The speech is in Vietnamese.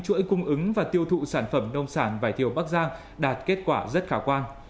chuỗi cung ứng và tiêu thụ sản phẩm nông sản vải thiều bắc giang đạt kết quả rất khả quan